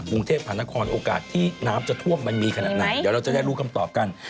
กรุงเทพหานครโอกาสที่น้ำจะท่วมมันมีขนาดไหนเดี๋ยวเราจะได้รู้คำตอบกัน